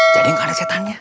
jadi gak ada setannya